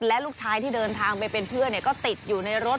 และลูกชายที่เดินทางไปเป็นเพื่อนก็ติดอยู่ในรถ